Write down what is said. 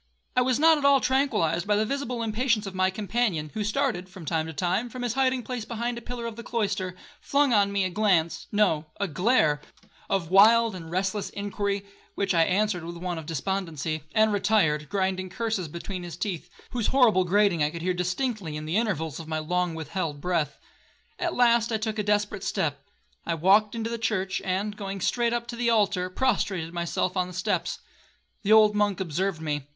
I was not at all tranquillized by the visible impatience of my companion, who started, from time to time, from his hiding place behind a pillar of the cloister, flung on me a glance—no, a glare—of wild and restless inquiry, (which I answered with one of despondency), and retired, grinding curses between his teeth, whose horrible grating I could hear distinctly in the intervals of my long withheld breath. At last I took a desperate step. I walked into the church, and, going straight up to the altar, prostrated myself on the steps. The old monk observed me.